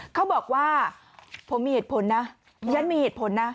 เขาบอกว่าผมมีเหตุผลนะฉันมีเหตุผลนะ